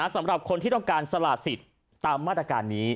สำหรับคนที่ต้องการสละสิทธิ์ตามมาตรการนี้